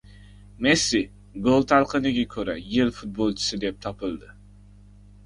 Messi Goal talqiniga ko‘ra yil futbolchisi deb topildi